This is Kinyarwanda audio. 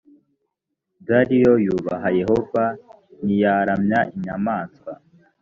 dariyo yubaha yehova ntiyaramya inyamaswa